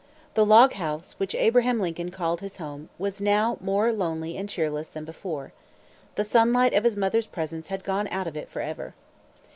The log house, which Abraham Lincoln called his home, was now more lonely and cheerless than before. The sunlight of his mother's presence had gone out of it forever.